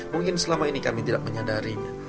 mungkin selama ini kami tidak menyadarinya